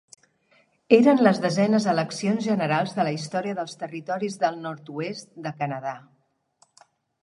Eren les desenes eleccions generals de la història dels Territoris del Nord-oest de Canadà.